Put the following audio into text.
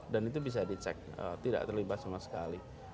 dan itu bisa dicek tidak terlibat sama sekali